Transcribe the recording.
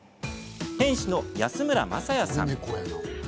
店主の安村正也さん。